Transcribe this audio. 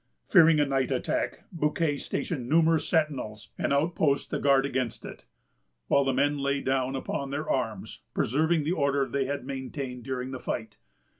Fearing a night attack, Bouquet stationed numerous sentinels and outposts to guard against it; while the men lay down upon their arms, preserving the order they had maintained during the fight.